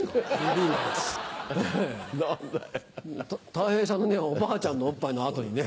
たい平さんのおばあちゃんのおっぱいの後にね